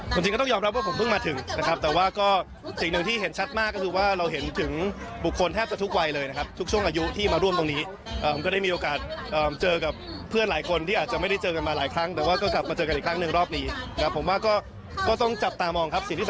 จริงก็ต้องยอมรับว่าผมเพิ่งมาถึงนะครับแต่ว่าก็สิ่งหนึ่งที่เห็นชัดมากก็คือว่าเราเห็นถึงบุคคลแทบจะทุกวัยเลยนะครับทุกช่วงอายุที่มาร่วมตรงนี้มันก็ได้มีโอกาสเจอกับเพื่อนหลายคนที่อาจจะไม่ได้เจอกันมาหลายครั้งแต่ว่าก็กลับมาเจอกันอีกครั้งหนึ่งรอบนี้นะครับผมว่าก็ต้องจับตามองครับ